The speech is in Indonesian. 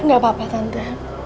gak apa apa tante